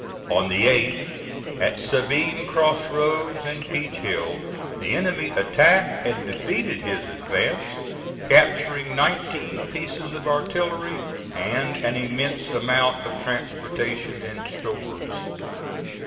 On the 8th, at Sabine Cross Roads and Peach Hill, the enemy attacked and defeated his advance, capturing nineteen pieces of artillery and an immense amount of transportation and stores.